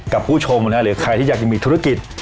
ผู้ชมหรือใครที่อยากจะมีธุรกิจ